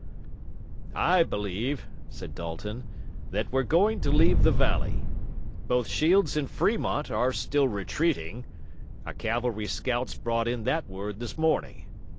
"I believe," said Dalton, "that we're going to leave the valley. Both Shields and Fremont are still retreating. Our cavalry scouts brought in that word this morning.